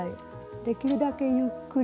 できるだけゆっくりと。